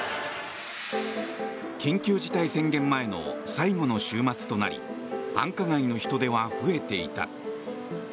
緊急事態宣言前の最後の週末となり繁華街の人出は増えていた。